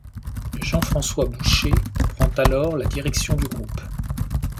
Jean-François Boucher prend alors la direction du groupe.